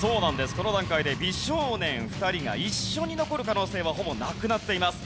この段階で美少年２人が一緒に残る可能性はほぼなくなっています。